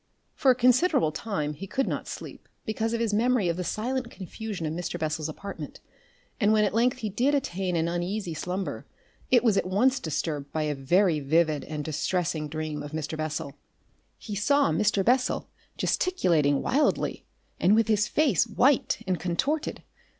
For a considerable time he could not sleep because of his memory of the silent confusion of Mr. Bessel's apartment, and when at length he did attain an uneasy slumber it was at once disturbed by a very vivid and distressing dream of Mr. Bessel. He saw Mr. Bessel gesticulating wildly, and with his face white and contorted.